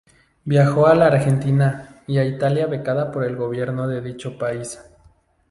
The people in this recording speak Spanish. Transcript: Viajó a la Argentina y a Italia, becada por el gobierno de dicho país.